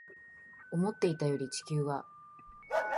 思っていたより地球は